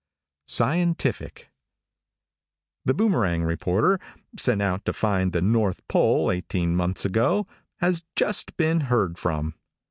SCIENTIFIC. |THE Boomerang reporter, sent ont to find the North Pole, eighteen months ago, has just been heard from.